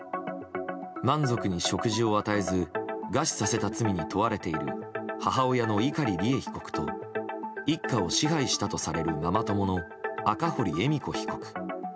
満足に食事を与えず餓死させた罪に問われている母親の碇利恵被告と一家を支配したとされるママ友の赤堀恵美子被告。